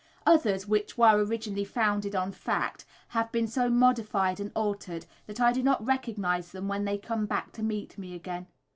Others, which were originally founded on fact, have been so modified and altered that I do not recognise them when they come back to me again.